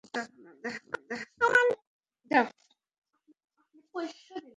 এখন তাদের লক্ষ্য মানুষকে ফুসলিয়ে বিদেশে পাচার, তারপর তাদের জিম্মি করে মুক্তিপণ আদায়।